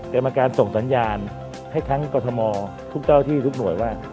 กรรมการส่งสัญญาณให้ทั้งกรทมทุกเจ้าที่ทุกหน่วยว่า